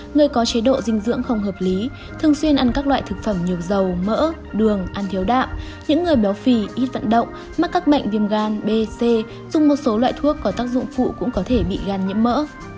người có chế độ dinh dưỡng không hợp lý thường xuyên ăn các loại thực phẩm nhiều dầu mỡ đường ăn thiếu đạo những người béo phì ít vận động mắc các bệnh viêm gan b c dùng một số loại thuốc có tác dụng phụ cũng có thể bị gan nhiễm mỡ